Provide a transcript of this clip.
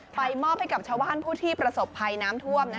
มอบให้กับชาวบ้านผู้ที่ประสบภัยน้ำท่วม